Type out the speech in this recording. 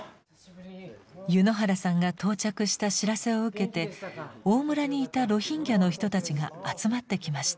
柚之原さんが到着した知らせを受けて大村にいたロヒンギャの人たちが集まってきました。